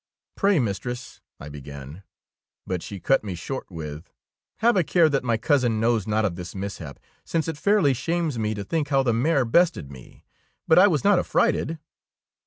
''Pray, mistress," I began; but she cut me short with, —" Have a care that my cousin knows not of this mishap, since it fairly shames me to think how the mare bested me. But I was not affrighted.